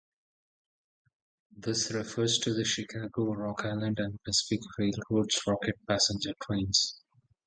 This refers to the Chicago, Rock Island and Pacific Railroad's "Rocket" passenger trains.